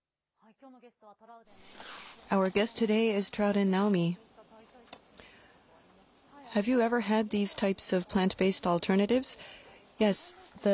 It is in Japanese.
きょうのゲストはトラウデン直美さんです。